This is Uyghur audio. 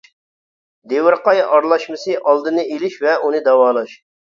دېۋىرقاي ئارىلاشمىسى ئالدىنى ئېلىش ۋە ئۇنى داۋالاش.